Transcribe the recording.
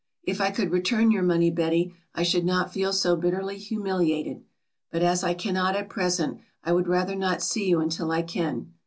If I could return your money, Betty, I should not feel so bitterly humiliated, but as I cannot at present I would rather not see you until I can.